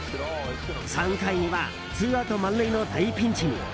３回にはツーアウト満塁の大ピンチに。